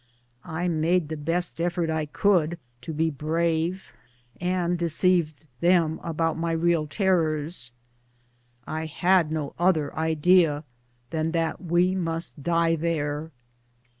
I made the best effort I could to be brave, and deceived them as to my real terrors — I had no other idea than that we must die there.